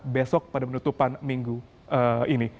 besok pada penutupan minggu ini